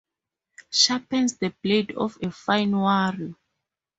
Sharpens the blade of a fine warrior.